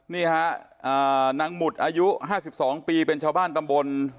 นี่ฮะนางหมุดอายุ๕๒ปีเป็นชาวบ้านตำบล